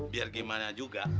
biar gimana juga